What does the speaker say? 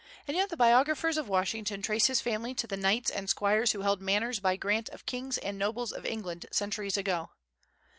And yet the biographers of Washington trace his family to the knights and squires who held manors by grant of kings and nobles of England, centuries ago.